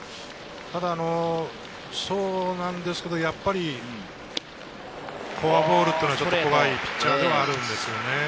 そうなんですけど、やっぱりフォアボールはちょっと怖いピッチャーではあるんですよね。